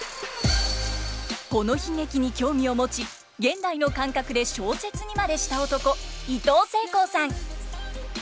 この悲劇に興味を持ち現代の感覚で小説にまでした男いとうせいこうさん。